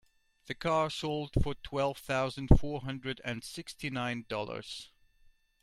The car sold for twelve thousand four hundred and sixty nine dollars.